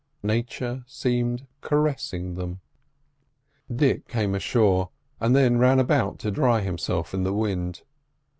Nature seemed caressing them. Dick came ashore, and then ran about to dry himself in the wind.